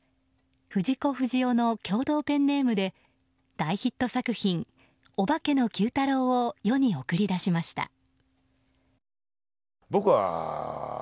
藤子不二雄の共同ペンネームで大ヒット作品「オバケのＱ太郎」を世に送り出しました。